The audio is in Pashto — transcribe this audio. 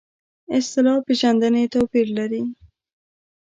اصطلاح پېژندنې توپیر لري.